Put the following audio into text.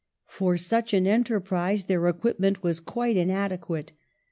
For such an enterprise their equipment was quite inadequate.